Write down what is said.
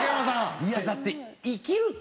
いやだって。